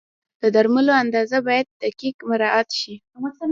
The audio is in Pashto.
د درملو اندازه باید دقیق مراعت شي.